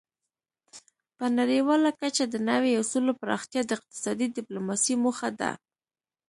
په نړیواله کچه د نوي اصولو پراختیا د اقتصادي ډیپلوماسي موخه ده